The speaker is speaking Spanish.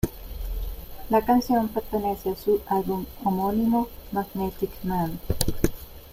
La canción pertenece a su álbum homónimo: "Magnetic Man".